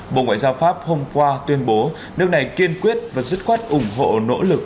bộ ngoại giao pháp hôm qua tuyên bố nước này kiên quyết và dứt khoát ủng hộ nỗ lực